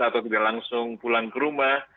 atau tidak langsung pulang ke rumah